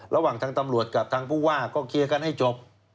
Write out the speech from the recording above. ระหว่างทางตำรวจกับทางผู้ว่าก็เคลียร์กันให้จบ